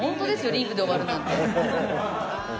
リングで終わるなんて。